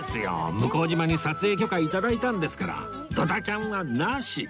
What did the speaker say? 向島に撮影許可頂いたんですからドタキャンはなし！